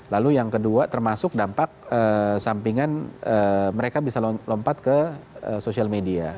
lalu yang kedua termasuk dampak sampingan mereka bisa lompat ke sosial media